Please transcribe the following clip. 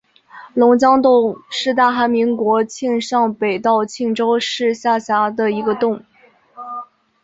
龙江洞是大韩民国庆尚北道庆州市下辖的一个洞。